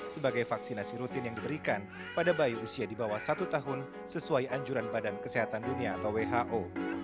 sebagai vaksinasi rutin yang diberikan pada bayi usia di bawah satu tahun sesuai anjuran badan kesehatan dunia atau who